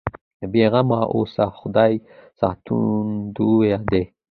بې غمه اوسه خدای ساتندوی دی.